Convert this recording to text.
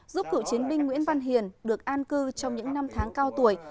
giúp cựu chiến binh nguyễn văn hiền được an cư trong những năm tháng cao tuổi